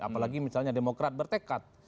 apalagi misalnya demokrat bertekad